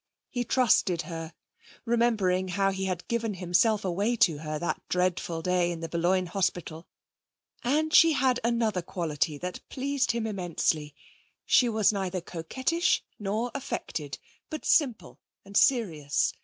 He trusted her, remembering how he had given himself away to her that dreadful day in the Boulogne hospital.... And she had another quality that pleased him immensely; she was neither coquettish nor affected, but simple and serious.